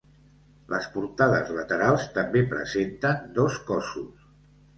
Les portades laterals també presenten dos cossos.